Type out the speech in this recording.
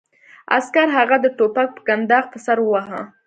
عسکر هغه د ټوپک په کنداغ په سر وواهه